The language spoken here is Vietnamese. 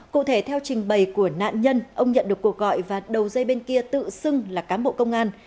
cụ thể theo trình bày của nạn nhân ông nhận được cuộc gọi và đầu dây bên kia tự xưng là cán bộ công an